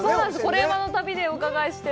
「コレうまの旅」でお伺いして。